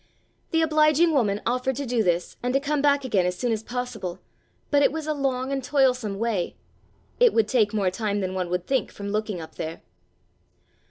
The obliging woman offered to do this and to came back again as soon as possible, but it was a long and toilsome way; it would take more time than one would think from looking up there.